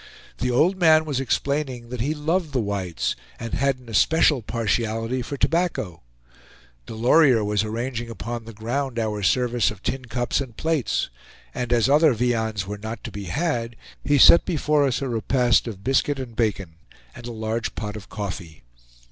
The old man was explaining that he loved the whites, and had an especial partiality for tobacco. Delorier was arranging upon the ground our service of tin cups and plates; and as other viands were not to be had, he set before us a repast of biscuit and bacon, and a large pot of coffee.